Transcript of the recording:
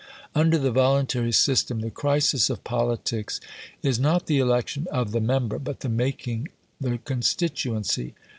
Under the voluntary system, the crisis of politics is not the election of the member, but the making the constituency.